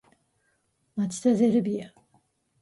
町田ゼルビア